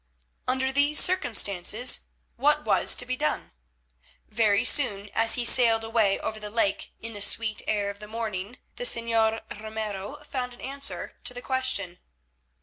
Under these circumstances what was to be done? Very soon, as he sailed away over the lake in the sweet air of the morning, the Señor Ramiro found an answer to the question.